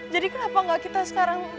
jadi kenapa gak kita sekarang